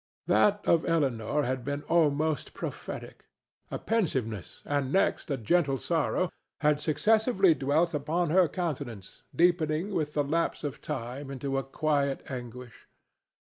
That of Elinor had been almost prophetic. A pensiveness, and next a gentle sorrow, had successively dwelt upon her countenance, deepening with the lapse of time into a quiet anguish.